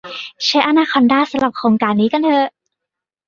ใช้อนาคอนดาสำหรับโครงการนี้กันเถอะ